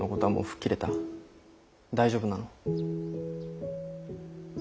大丈夫なの？